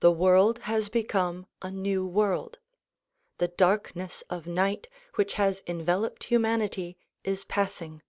The world has become a new world. The darkness of night which has enveloped humanity is passing.